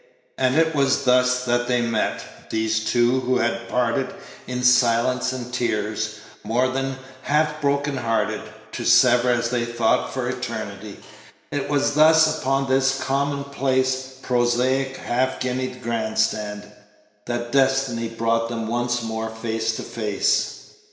And it was thus that they met, these two who had "parted in silence and tears," more than "half broken hearted," to sever, as they thought, for eternity; it was thus, upon this commonplace, prosaic, half guinea grand stand that Destiny brought them once more face to face.